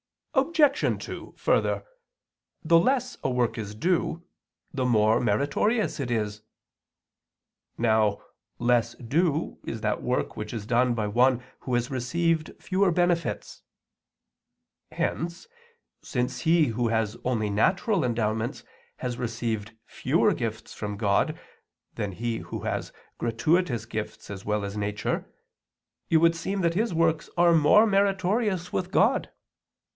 Obj. 2: Further, the less a work is due, the more meritorious it is. Now, less due is that work which is done by one who has received fewer benefits. Hence, since he who has only natural endowments has received fewer gifts from God, than he who has gratuitous gifts as well as nature, it would seem that his works are more meritorious with God.